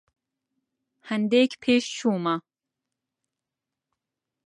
هەندێک پێشچوومە.